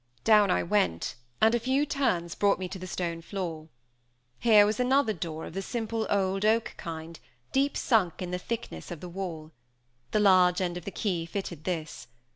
Down I went, and a few turns brought me to the stone floor. Here was another door, of the simple, old, oak kind, deep sunk in the thickness of the wall. The large end of the key fitted this.